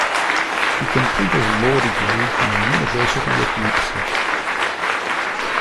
He completed a law degree from the University of Leipzig.